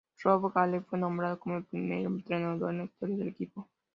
Rob Gale fue nombrado como el primer entrenador en la historia del equipo.